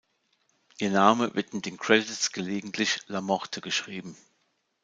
Ihr Name wird in den Credits gelegentlich "La Morte" geschrieben.